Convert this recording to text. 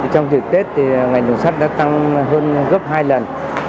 trong dịp tết thì ngành dùng sách đã tăng hơn gấp hai lần